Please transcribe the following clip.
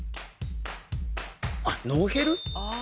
あっノーヘル？